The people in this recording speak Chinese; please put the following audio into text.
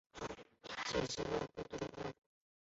食蟹獴包括以下亚种